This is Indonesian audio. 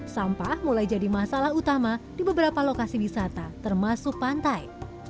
sampah mulai jadi masalah utama di beberapa lokasi wisata termasuk pantai